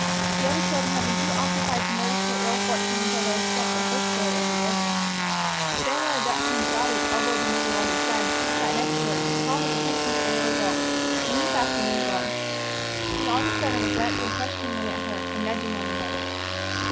The other children had been too occupied to notice her ill fortune until they had spent their first joy over their gifts. Then one of the Dutchman's girls elbowed the neighbor woman's son, who sat next her, to call his attention to the little girl, and he passed the news on. Soon all the children were glancing questioningly at her and nudging one another.